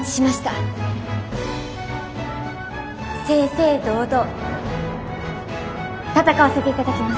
正々堂々戦わせていただきます！